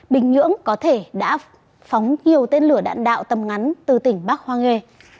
bình nhưỡng có thể đã phóng nhiều tên lửa đạn đạo tầm ngắn từ tỉnh bắc hoa nghê